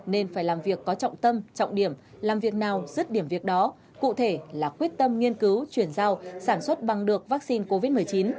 nên phải làm việc có trọng tâm trọng điểm làm việc nào dứt điểm việc đó cụ thể là quyết tâm nghiên cứu chuyển giao sản xuất bằng được vaccine covid một mươi chín